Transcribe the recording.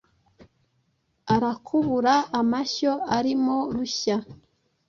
arakubura amashyo ari mo Rushya